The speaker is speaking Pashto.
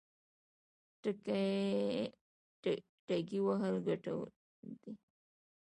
ټکی وهل ګټور دی.